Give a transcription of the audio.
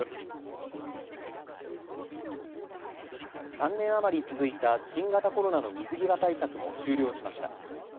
３年余り続いた新型コロナの水際対策も終了しました。